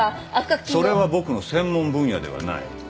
それは僕の専門分野ではない。